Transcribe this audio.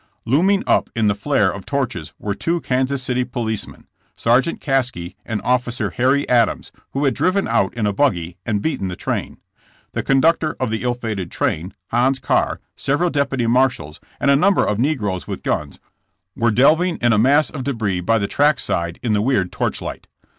Looming up in the flare of torches were two Kansas City policemen, Sergeant Caskey and Officer Harry Adams, who had driven out in a buggy and beaten the train. The conductor of the ill fated train, Hans Carr, several deputy marshals, and a number of negroes with guns, were delving in a mass of debris by the track side in the weird torchlight.